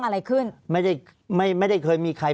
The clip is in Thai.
ภารกิจสรรค์ภารกิจสรรค์